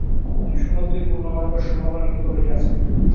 শিশুর মধ্যেই পূর্ণ মানবের সম্ভাবনা নিহিত রহিয়াছে।